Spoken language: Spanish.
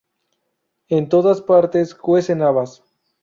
En todas partes cuecen habas